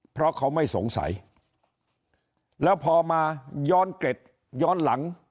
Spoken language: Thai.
เพราะเขาไม่สงสัยแล้วพอมาย้อนเกร็ดย้อนหลัง